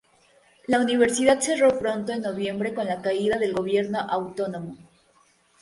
La universidad cerró pronto en noviembre con la caída del gobierno autónomo.